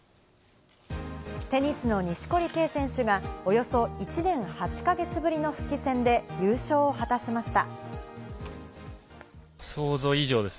テニスの錦織圭選手が、およそ１年８か月ぶりの復帰戦で優勝を果たしました。